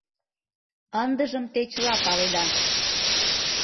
Ындыжым те чыла паледа!